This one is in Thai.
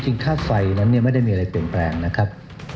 ค่าไฟนั้นไม่ได้มีอะไรเปลี่ยนแปลงนะครับ